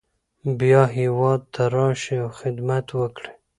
بیا هیواد ته راشئ او خدمت وکړئ.